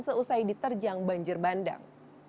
seusai diterjang banjir bandang